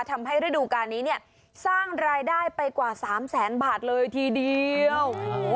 ทำให้ฤดูการนี้เนี่ยสร้างรายได้ไปกว่า๓แสนบาทเลยทีเดียว